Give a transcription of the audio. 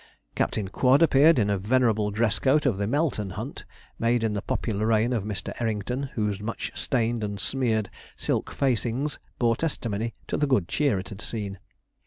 Captain Quod appeared in a venerable dresscoat of the Melton Hunt, made in the popular reign of Mr. Errington, whose much stained and smeared silk facings bore testimony to the good cheer it had seen.